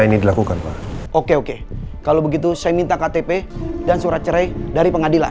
ini dilakukan pak oke oke kalau begitu saya minta ktp dan surat cerai dari pengadilan